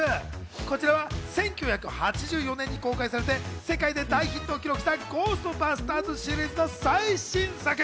こちらは１９８４年に公開されて、世界で大ヒットを記録した『ゴーストバスターズ』シリーズの最新作。